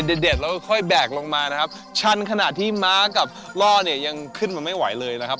เด็ดแล้วค่อยแบกลงมานะครับชันขณะที่ม้ากับล่อเนี่ยยังขึ้นมาไม่ไหวเลยนะครับ